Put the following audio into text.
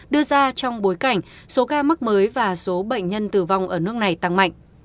đưa ra trong bối cảnh số ca mắc mới và số bệnh nhân tử vong ở nước này tăng mạnh